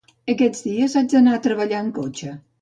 Aquests dies haig d'anar a treballar en cotxe